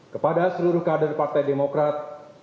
kepada seluruh kader partai demokrat